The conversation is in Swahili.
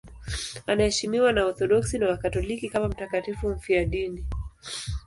Anaheshimiwa na Waorthodoksi na Wakatoliki kama mtakatifu mfiadini.